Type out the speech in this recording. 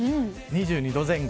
２２度前後。